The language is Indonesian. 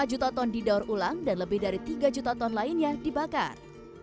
lima juta ton didaur ulang dan lebih dari tiga juta ton lainnya dibakar